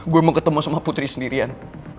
gue mau ketemu sama putri sendirian